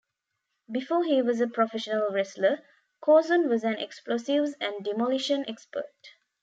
Before he was a professional wrestler, Corson was an explosives and demolition expert.